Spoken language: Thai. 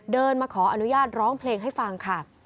เดินมาขออนุญาตร้องเพลงให้ฟังค่ะ